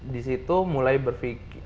di situ mulai berpikir